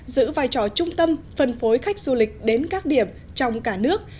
giữ vai trò trung tâm phân phối khách du lịch đến các điểm trong cả nước